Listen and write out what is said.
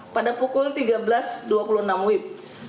pada pukul tiga belas dua puluh enam wib